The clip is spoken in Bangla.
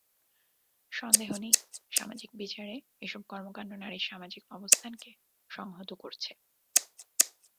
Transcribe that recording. সন্দেহ নেই, সামগ্রিক বিচারে এসব কর্মকাণ্ড নারীর সামাজিক অবস্থানকে সংহত করছে।